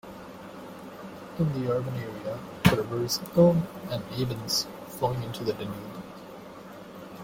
In the urban area the rivers Ilm and Abens flowing into the Danube.